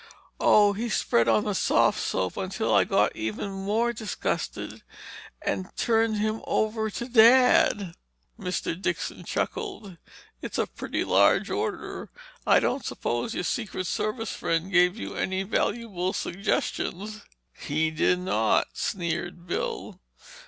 "Oh, he spread on the soft soap until I got even more disgusted and turned him over to Dad!" Mr. Dixon chuckled. "It's a pretty large order. I don't suppose your Secret Service friend gave you any valuable suggestions?" "He did not," sneered Bill.